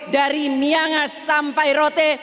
dari myanmar sampai rote